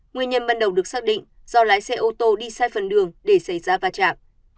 nguyên nhân ban đầu được xác định do lái xe ô tô đi sai phần đường để xảy ra va chạm